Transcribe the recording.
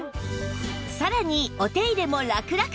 さらにお手入れもラクラク！